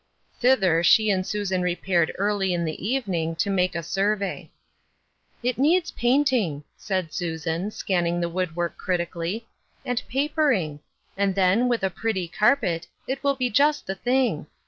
Thither she and Susan repaired early in the evening to make a survey. " It needs painting," said Susan, scanning the wood work critically, " and papering ; and then, with a pretty carpet, it will be just the thing.